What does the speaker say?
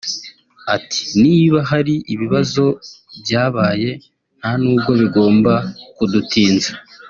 Ati “Niba hari ibibazo byabaye nta nubwo bigomba kudutinza